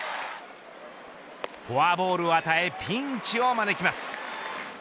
フォアボールを与えピンチを招きます。